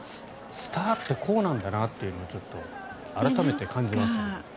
スターってこうなんだなっていうのを改めて感じました。